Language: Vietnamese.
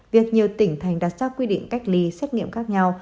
việc nhiều tỉnh thành đặt ra quy định cách ly xét nghiệm khác nhau